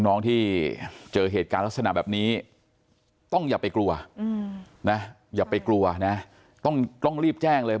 น้องที่เจอเหตุการณ์ลักษณะแบบนี้ต้องอย่าไปกลัวต้องรีบแจ้งเลย